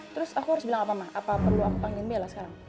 terus aku harus bilang apa mah apa perlu aku panggil bella sekarang